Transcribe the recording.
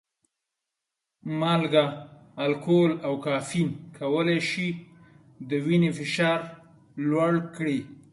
مالګه، الکول او کافین کولی شي د وینې فشار لوړ کړي.